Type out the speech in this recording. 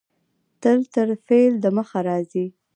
تل تر فعل د مخه راځي.